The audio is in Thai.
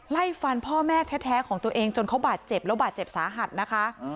ไล่ฟันพ่อแม่แท้ของตัวเองจนเขาบาดเจ็บแล้วบาดเจ็บสาหัสนะคะ